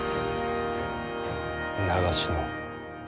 長篠。